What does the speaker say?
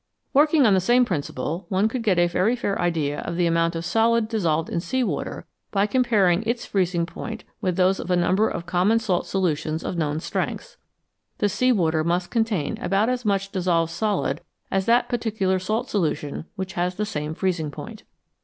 Working on the same principle, one could get a very fail idea of the amount of solid dissolved in sea water by comparing its freezing point with those of a number of common salt solutions of known strengths. The sea water must contain about as much dissolved solid as that particular salt solution which has the same freezing point.